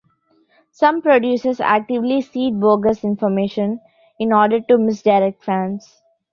Some producers actively seed bogus information in order to misdirect fans.